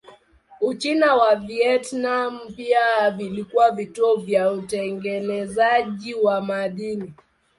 Uchina na Vietnam pia vilikuwa vituo vya utengenezaji wa madini.